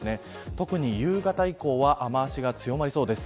特に夕方以降は雨脚が強まりそうです。